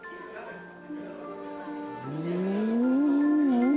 うん。